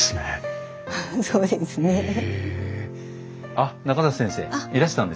あっ中里先生いらしてたんですね。